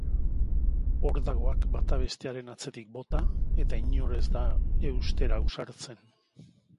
Ordagoak bata bestearen atzetik bota, eta inor ez da eustera ausartzen.